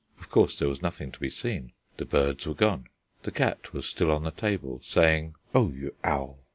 Of course there was nothing to be seen. The birds were gone. The cat was still on the table saying "O you owl!